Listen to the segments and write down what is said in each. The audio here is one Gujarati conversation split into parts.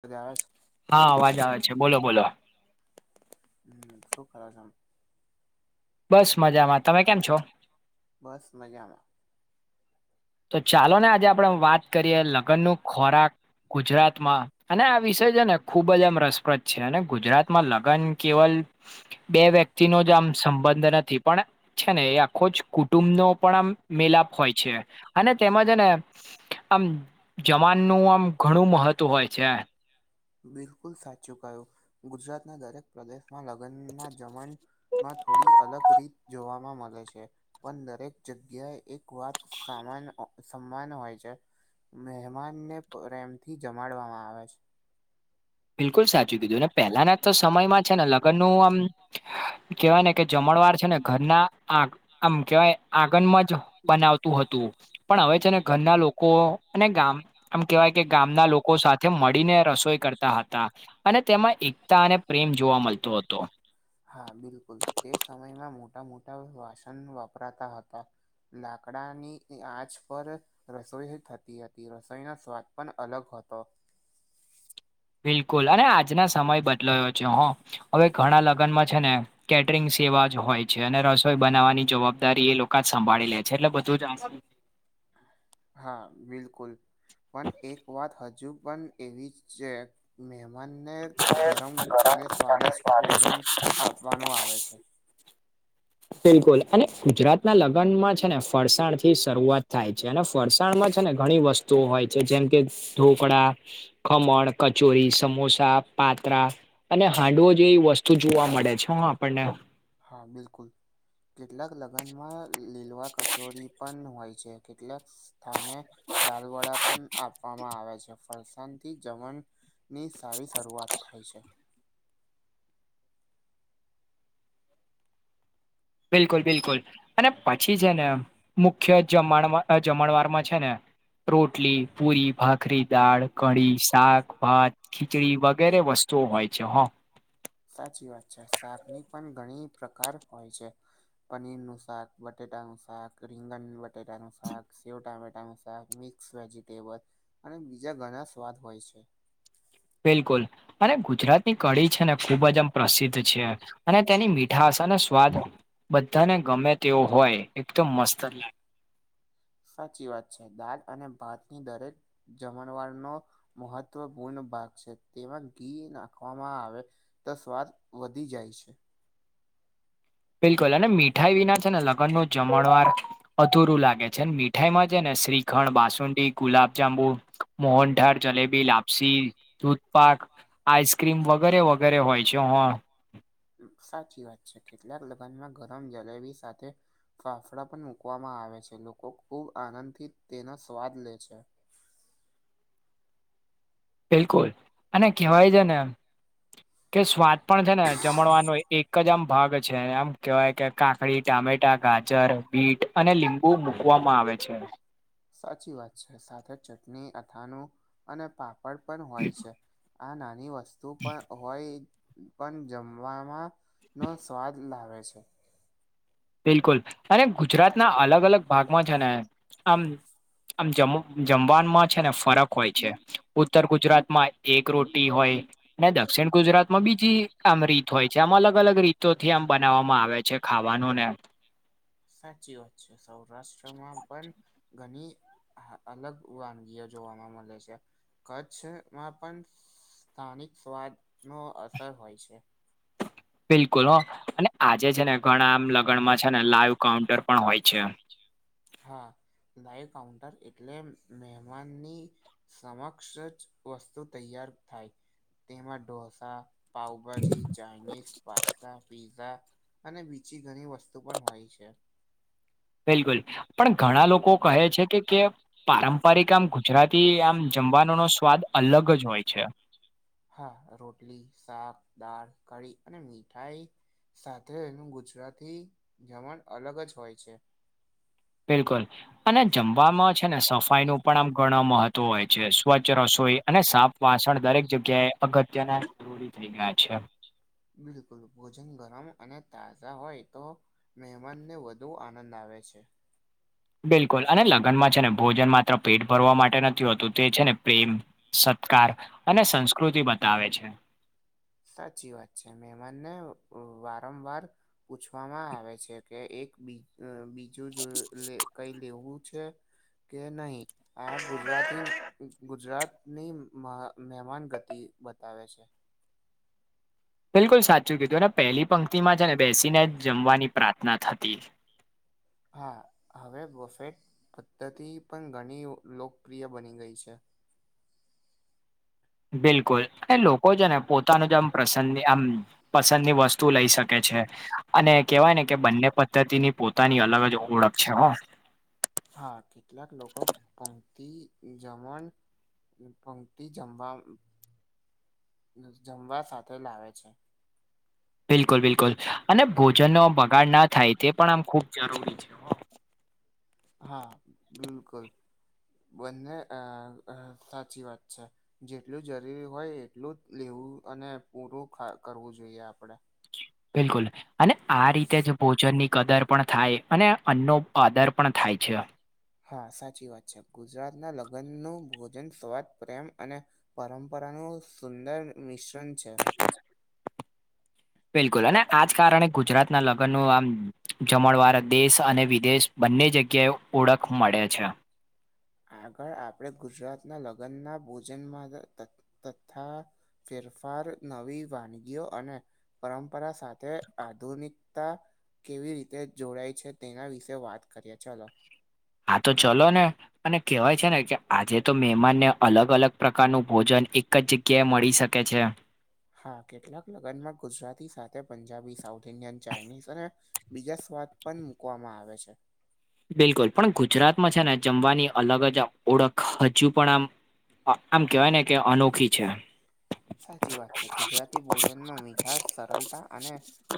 પ્રયાસ હા અવાજ આવે છે બોલો બોલો શું કરો છો બસ મજામાં તમે કેમ છો? બસ મજામાં તો ચાલો ને આજે આપડે વાત કરીએે લગ્ન નું ખોરાક ગુજરાતમાં અને આ વિષય છે ને ખૂબ જ એમ રસપ્રદ છે અને ગુજરાતમાં લગ્ન કેવલ બે વ્યક્તિ નો જ આમ સંબંધ નથી પણ છે ને એ આખો જ કુટુંબ નો પણ આમ મેલાપ હોય છે. અને તેમાંજ ને આમ જવાનનું આમ ઘણું મહત્વ હોય છે. બિલકુલ સાચું કહ્યું ગુજરાતના દરેક પ્રદેશ માં લગનમાં જમણમાં થોડી અલગ રીત જોવામાં મળે છે પણ દરેક જગ્યાએ એક વાત સામાન્ય સમાન હોય છે મહેમાનને પ્રેમથી જમાડવામાં આવે છે. બિલકુલ સાચું કીધું ને પહેલાના તો સમયમાં છે ને લગ્નનું આમ [inaudible] કેવાય ને કે જમણવાર છે ને ઘરના આ આમ કેવાય આગનમાં જ બનાવ તુ હતું પણ હવે છે ને ઘરના લોકો અને ગામ આમ કેહેવાય કે ગામના લોકો સાથે તે મળીને રસોઈ કરતા હતા અને તેમાં એકતા અને પ્રેમ જોવા મળતો હતો. હા બિલકુલ એ સમયમાં મોટા-મોટા વાસણ વપરાતા હતા. લાકડાની ઇ આંચ પર રસોઈ થતી હતી રસોઈનો સ્વાદ પણ અલગ હતો. બિલકુલ અને આજના સમય બદલાયો છે હ હવે ઘણા લગ્નમાં છે ને. કેટરિંગ સેવા જ હોય છે અને રસોઈ બનાવવાની જવાબદારી એ લોકો જ સંભાળી લે છે એટલે બધું જ આ હા બિલકુલ. પણ એક વાત હજુ પણ એવી જ છે. મહેમાનને ગરમ અને સ્વાદિષ્ટ ભોજન આપવાનું આવે છે. બિલકુલ અને ગુજરાતના લગ્નમાં છે ને ફરસાણ થી શરૂઆત થાય. છે. ને ફરસાણમાં છે ને ઘણી વસ્તુઓ હોય છે જેમ કે ઢોકળા, ખમણ, કચોરી, સમોસા, પાત્રા, અને હાંડવો જેવી વસ્તુ જોવા મળે છે હ આપણને. હા બિલકુલ. કેટલાક લગ્નમાં લી લીલવા કચોરી પણ હોય છે કેટલાક સ્થાને. દાલ વડા પણ આપવામાં આવે છે ફરસાણથી જમણ ની સારી શરૂઆત થાય છે. બિલકુલ-બિલકુલ. અને પછી છે ને મુખ્ય જમણ જમણવાર માં છે ને રોટલી, પૂરી, ભાખરી, દાળ, કઢી, શાક ભાત ખીચડી વગેરે વસ્તુઓ હોય છે હો. સાચી વાત છે શાકની પણ ઘણી પ્રકાર હોય છે. પનીરનું શાક, બટેાટાનું શાક, રીંગન બટેાટાનું શાક, સેવ ટમેટા નું સાગ, મિક્સ મિક્સ વેજીિટેબલ અને બીજા ઘણા સ્વાદ હોય છે. બિલકુલ અને ગુજરાતની કઢી છે ને ખૂબ જ આમ પ્રસિદ્ધ છે અને તેની મીઠા ઢાસને અને સ્વાદ બધાને ગમે તેવો હોય એકદમ મસ્ત જ લાગે. સાચી વાત છે દાલ અને ભાતની દરેક જમણવાર નો મહત્વપૂર્ણ ભાગ છે તેમાં ઘી નાખવામાં આવે તો સ્વાદ વધી જાય છે. બિલકુલ અને મીઠાઈ વિના છે ને લગ્નનું જમણવાર અધુરું લાગે છે મીઠાઈમાં છે ને શ્રીખંડ, બાસુંડી ગુલાબજાંબુ, મોહનથાળ. જલેબી, લાપસી, દૂધપાક, આઈસ્ક્રીમ વગેરે-વગેરે હોય છે હો. સાચી વાત છે કેટલાક લગ્નમાં ગરમ જલેબી સાથે ફાફડા પણ મૂકવામાં આવે છે લોકો ખૂબ આનંદ થી તેનો સ્વાદ લે છે. બિલકુલ અને કેહેવાય છે ને કે સ્વાદ પણ છે ને જમણવાનો એક એક જ આમ ભાગ છે આમ કેહેવાય કે કાકડી, ટામેટા, ગાજર, બીટ, અને લીંબુ મૂકવામાં આવે છે. સાચી વાત છે સાથે ચટણી, અથાણું અને પાપડ પણ હોય છે. આ નાની વસ્તુ પણ હોય પણ જમવામાં નો સ્વાદ લાવે છે. બિલકુલ અને ગુજરાતના અલગ-અલગ ભાગમાં છે ને આમ આમ જમ જમવાનમાં છે ને ફરક હોય છે. ઉત ઉત્તર ગુજરાત માં એક રોટી હોય. ને દક્ષિણ ગુજરાતમાં બીજી આમ રીત હોય છે આમ અલગ અલગ રીતોથી આમ બનાવવામાં આવે છે ખાવાનું ને સાચી વાત છે સૌરાષ્ટ્રમાં પણ ઘણી અઅલગ વાનગીઓ જોવાવામાં મલે છે. કચ્છમાં પણ સસ્થાનિક સ્વાદ નો અસર હોય છે. બિલકુલ હ અને આજે છે ને ઘણા આમ લગ્નમાં છે ને લાઈવ કાઉન્ટર પણ હોય છે. હા લાઈવ કાઉન્ટર એટલે મહેમાનની સમક્ષ જ વસ્તુ તૈયાર થાય તેમાં dosa pav bhaji, Chinese, pasta, pizza અને બીજી ઘણી વસ્તુ પણ હોય છે. બિલકુલ પણ ઘણા લોકો કહે છે કે કે પારંપરિક આમ ગુજરાતી આમ જમવાનો નો સ્વાદ અલગ જ હોય છે. હા રોટલી શાક દાળ કઢી અને મીઠાઈ સાથે એનું ગુજરાતી જમણ અલગ જ હોય છે. બિલકુલ અને જમવામાં છે ને સફાઈનું પણ આમ ઘણો મહત્વ હોય છે સ્વચ્છ રસોઈ અને સાપ વાસણ દરેક જગ્યાએ અગત્યના [unintelligible] ઉતરી ગયા છે બિલકુલ ભોજન ગરમ અને તાજા હોય તો મહેમાનને વધુ આનંદ આવે છે બિલકુલ અને લગ્નમાં છે ને ભોજન માત્ર પેટ ભરવા માટે નથી હોતું તે છે ને પ્રેમ સત્કાર અને સંસ્કૃતિ બતાવે છે સાચી વાત છે મેમાનને વારંવાર પૂછવામાં આવે છે કે એક બી અહ બીજું જો લે કઈ લેવું છે કે નહીં હા ગુજરાતની ગુજરાતની મહ મેહમાન ગતિ બતાવે છે બિલકુલ સાચું કીધું ને પહેલી પંક્તિ માં છે ને બેસીને જમવાની પ્રાર્થના થતી હા હવે વફેટ પદ્ધતિ પણ ઘણી લોકપ્રિય બની ગઈ છે બિલકુલ એ લોકો છે ને પોતાનું જે આમ પ્રસંગ આમ પસંદની વસ્તુ લઈ શકે છે અને કેવાય ને કે બંને પદ્ધતિની પોતાની અલગ જ ઓળખ છે હો. હા કેટલાક લોકો પંક્તિ જમણ પંક્તિ જમવા જમવા સાથે લાવે છે. બિલકુલ બિલકુલ અને ભોજનનો બગાડ ના થાય તે પણ આમ ખૂબ જરૂરી છે. હો. હા બિલકુલ બંને અહ અહ સાચી વાત છે જેટલું જરૂરી હોય એટલું લેવું અને પૂરું ખ કરવું જોઈએ આપડે બિલકુલ અને આ રીતે જ ભોજન ની કદર પણ થાય અને અન્નો આદર પણ થાય છે હા સાચી વાત છે ગુજરાત ના લગ્ન નું ભોજન સ્વાદ પ્રેમ અને પરંપરાનું સુંદર મિશ્રણ છે. બિલકુલ અને આજ કારણે ગુજરાત ના લગ્નનું આમ જમણવાર દેશ અને વિદેશ બંને જગ્યાએ ઓળખ મળે છે. આગળ આપણે ગુજરાતના લગ્નના ભોજનમાં ત તથા ફેરફાર નવી વાનગીઓ અને પરંપરા સાથે આધુનિકતા કેવી રીતે જોડાય છે તેના વિશે વાત કરીએ ચલો હા તો ચલો ને અને કહેવાય છે ને કે આજે તો મહેમાનને અલગ અલગ પ્રકારનું ભોજન એક એક જગ્યાએ મળી શકે છે. હા કેટલાક લગ્નમાં ગુજરાતી સાથે પંજાબી સાઉથ ઇન્ડિયન ચાઇનીઝ અને બીજા સ્વાદ પણ મૂકવામાં આવે છે. બિલકુલ પણ ગુજરાતમાં છે ને જમવાની અલગ જ ઓળખ હજુ પણ આમ આમ કેવાય ને કે અનોખી છે. સાચી વાત છે ગુજરાતી ભોજનમાં મીઠાસ સરળતા અને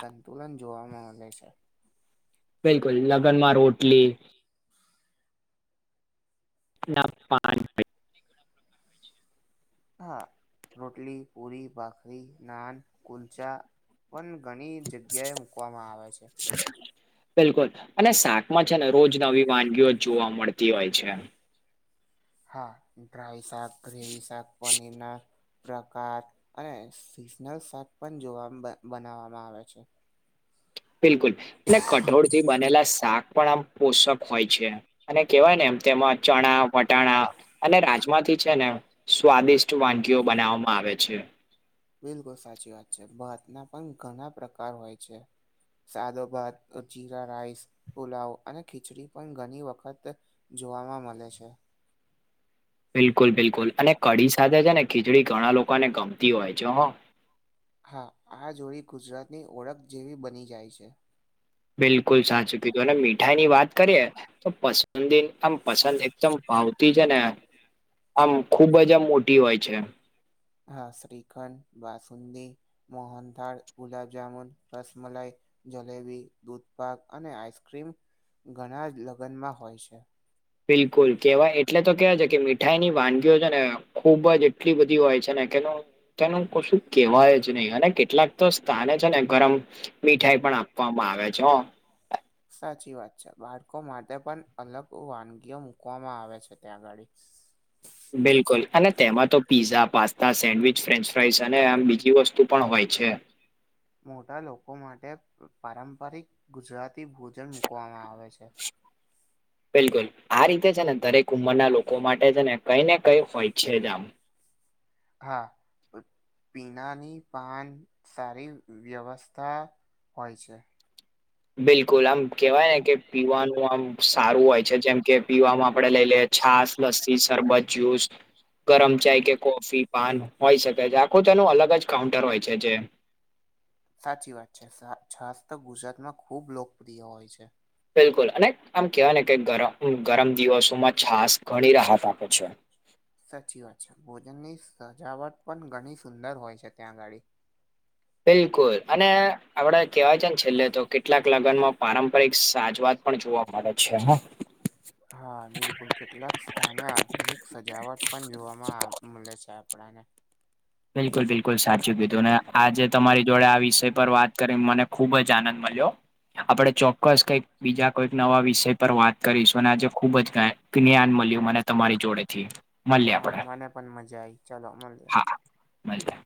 સંતુલન જોવા મળે છે. બિલકુલ લગનમાં રોટલી ના પાણી હા રોટલી પૂરી બાખરી નાન કુલ્ચા પણ ઘણી જગ્યા એ મૂકવામાં આવે છે. બિલકુલ અને શાકમાં છે ને રોજ નવી વાનગીઓ જ જોવા મળતી હોય છે. હા ડ્રાય શાક ગ્રેવી શાક પનીર નાર પ્રકાર અને સિઝનલ શાક પણ જોવા બનાવવામાં આવે છે. બિલકુલ લે કઠોળ થી બનેલા શાક પણ આમ પોષક હોય છે. અને કેવાય ને એમ તેમાં ચણા વટાણા અને રાજમાથી છે ને સ્વાદિષ્ટ વાનગીઓ બનાવવામાં આવે છે. બિલકુલ સાચી વાત છે ભાત ના પણ ઘણા પ્રકાર હોય છે. સાદો ભાત જીરા રાઈસ પુલાવ અને ખીચડી પણ ઘણી વખત જોવામાં મલે છે. બિલકુલ બિલકુલ અને કડી સાથે છે ને ખીચડી ઘણા લોકાને ગમતી હોય છે હો હા આ જોડી ગુજરાતની ઓળખ જેવી બની જાય છે. બિલકુલ સાચું કીધું અને મીઠાઈની વાત કરીએ તો પસ બાસુંદી આમ પસંદ એકદમ ભાવતી છે ને આમ ખુબ જ આમ મોટી હોય છે. હા શ્રીખંડ બાસુંદી મોહનથાળ ગુલાબજામુન રસમલાઈ જલેબી દૂધ પાક અને આઈસ્ક્રીમ ઘણા જ લગ્નમાં હોય છે. બિલકુલ કેવાય એટલે તો કેવાય છે કે મીઠાઈ ની વાનગીઓ છે ને ખૂબ જ એટલી બધી હોય છે ને કેનું તેનું કસું કેવાય જ નહી અને કેટલાક તો સ્થાને છે ને ગરમ મીઠાઈ પણ આપવામાં આવે છે. સાચી વાત છે બાળકો માટે પણ અલગ વાનગીઓ મુકવામાં આવે છે ત્યાં આગળ બિલકુલ અને તેમાં તો pizza pasta sandwich French fries અને આમ બીજી વસ્તુ પણ હોય છે. મોટા લોકો માટે પારંપરિક ગુજરાતી ભોજન મુકવામાં આવે છે. બિલકુલ આ રીતે છે ને દરેક ઉંમરના લોકો માટે છે ને કઈ ને કઈ હોય છે જ આમ હા પીણાની પાન સારી વ્યવસ્થા હોય છે. બિલકુલ આમ કેવાય ને કે પીવાનું આમ સારું હોય છે જેમ કે પીવામાં આપડે લઈ લઈએ છાસ લસ્સી શરબત જ્યુસ ગરમ ચાય કે કોફી પાન હોય શકે છે આખું તેનું અલગ જ કાઉન્ટર હોય છે જે સાચી વાત છે છાસ તો ગુજરાતમાં ખુબ લોકપ્રિય હોય છે. બિલકુલ અને આમ કેહેવાય ને કે ગરમ ગરમ દિવસોમાં છાસ ઘણી રાહત આપે છે. સાચી વાત છે ભોજનની સજાવટ પણ ઘણી સુંદર હોય છે ત્યાંગાડી બિલકુલ અને આપડે કહેવાય છે ને છેલ્લે તો કેટલાક લગ્નમાં પારંપરિક સાજવાત પણ જોવા મળે છે હા હા બિલકુલ કેટલાક સ્થાને આધુનિક સજાવટ પણ જોવામાં મળે છે આપણને બિલકુલ બિલકુલ સાચું કીધું ને આજે તમારી જોડે આ વિષય પર વાત કરીને મને ખુબ જ આનંદ મળ્યો આપણે ચોક્કસ કંઈક બીજા કોઈક નવા વિષય પર વાત કરીશું અને આજે ખુબ જ કાઈ જ્ઞાન મળ્યું મને તમારી જોડેથી મળીએ હા આપણે મને પણ મજા આઈ ચાલો મળીએ મળીએ